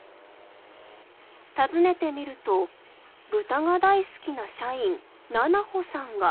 訪ねてみると豚が大好きな社員虹帆さんが！